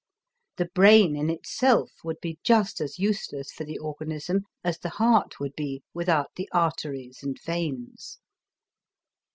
The brain in itself would be just as useless for the organism as the heart would be without the arteries and veins.